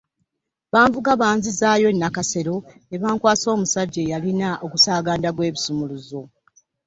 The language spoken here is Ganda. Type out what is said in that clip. Banvuga banzizaayo e Nakasero ne bankwasa omusajja eyalina ogusaaganda gw’ebisumuluzo.